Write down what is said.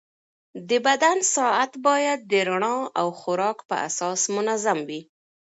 د بدن ساعت باید د رڼا او خوراک په اساس منظم وي.